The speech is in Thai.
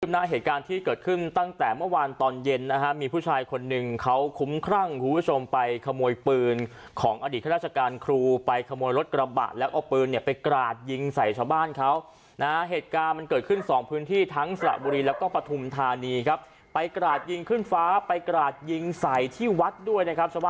หน้าเหตุการณ์ที่เกิดขึ้นตั้งแต่เมื่อวานตอนเย็นนะฮะมีผู้ชายคนหนึ่งเขาคุ้มครั่งคุณผู้ชมไปขโมยปืนของอดีตข้าราชการครูไปขโมยรถกระบะแล้วเอาปืนเนี่ยไปกราดยิงใส่ชาวบ้านเขานะฮะเหตุการณ์มันเกิดขึ้นสองพื้นที่ทั้งสระบุรีแล้วก็ปฐุมธานีครับไปกราดยิงขึ้นฟ้าไปกราดยิงใส่ที่วัดด้วยนะครับ